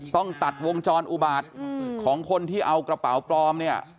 ต้องตัดวงจรอุบาตของคนที่เอากระเป๋าปลอมเนี่ย